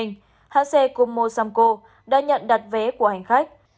hãng xe kumo samco đã nhận đặt vé của hành khách